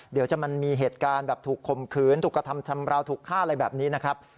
เดี๋ยวจะมันมีเหตุการณ์แบบถูกข่มขืนถูกกระทำชำราวถูกฆ่าอะไรแบบนี้นะครับ